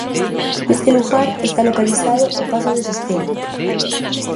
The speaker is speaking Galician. Neste lugar está localizado o pazo de Sestelo.